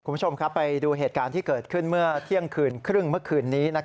คุณผู้ชมครับไปดูเหตุการณ์ที่เกิดขึ้นเมื่อเที่ยงคืนครึ่งเมื่อคืนนี้